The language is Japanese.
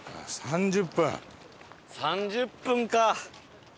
３０分か。